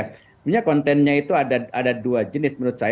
sebenarnya kontennya itu ada dua jenis menurut saya